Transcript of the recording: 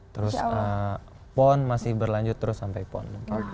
terus pon masih berlanjut terus sampai pon